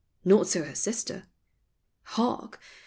Not so her sister. Hark